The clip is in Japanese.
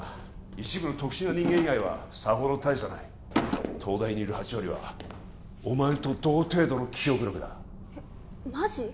一部の特殊な人間以外はさほど大差ない東大にいる８割はお前と同程度の記憶力だえっマジ！？